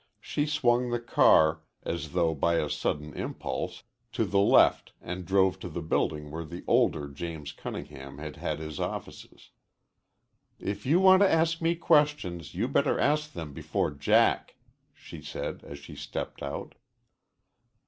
She swung the car, as though by a sudden impulse, to the left and drove to the building where the older James Cunningham had had his offices. "If you want to ask me questions you'd better ask them before Jack," she said as she stepped out.